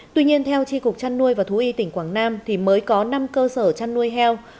tuy nhiên theo tri cục trăn nuôi và thú y tỉnh quảng nam thì mới có năm cơ sở trăn nuôi heo